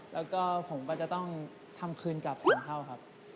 แล้วก็ผมก็จะต้องทำคืนกับสิ่งเข้าครับ